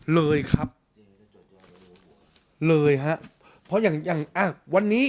เลยนฮะเลยนพออย่างยกวันนี้